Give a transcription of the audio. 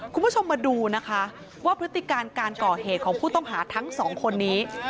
คุณผู้ชมมาดูนะคะว่าพฤติการการก่อเหตุของผู้ต้องหาทั้งสองคนนี้